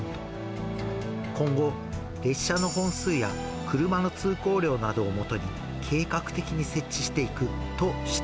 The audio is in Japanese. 今後、列車の本数や車の通行量などをもとに、計画的に設置していくとし